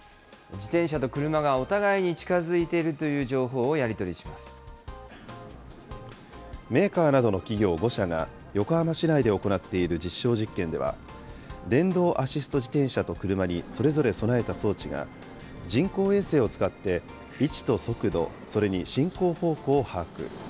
自転車と車がお互いに近づいているという情報をやり取りしまメーカーなどの企業５社が、横浜市内で行っている実証実験では、電動アシスト自転車と車にそれぞれ備えた装置が、人工衛星を使って、位置と速度、それに進行方向を把握。